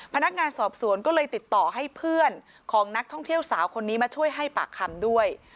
พนักงานสอบสวนก็เลยติดต่อให้เพื่อนของนักท่องเที่ยวสาวคนนี้มาช่วยให้ปากคำด้วย